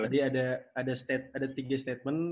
tadi ada tiga statement